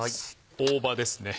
大葉ですね